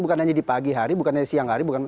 bukan hanya di pagi hari bukan hanya siang hari